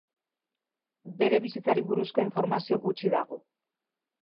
Bere bizitzari buruzko informazio gutxi dago.